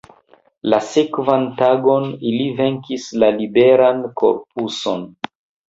La sekvan tagon ili venkis la liberan korpuson.